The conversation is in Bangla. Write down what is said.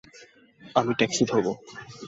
আমি ট্যাক্সি ধরবো।